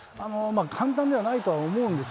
簡単ではないと思うんです。